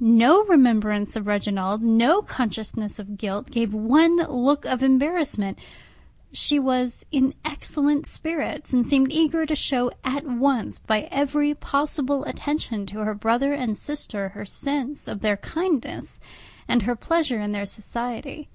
No remembrance of Reginald, no consciousness of guilt, gave one look of embarrassment; she was in excellent spirits, and seemed eager to show at once by every possible attention to her brother and sister her sense of their kindness, and her pleasure in their society.